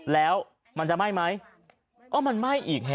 แล้วมันจะไหม้ไหมก็มันไหม้อีกฮะ